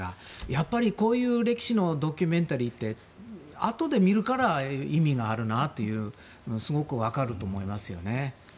やっぱりこういう歴史のドキュメンタリーってあとで見るから意味があるなっていうのがすごく分かると思いますよね。